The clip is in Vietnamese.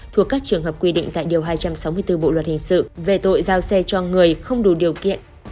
thuộc các trường hợp quy định tại điều hai trăm sáu mươi bốn bộ luật hình sự về tội giao xe cho người không đủ điều kiện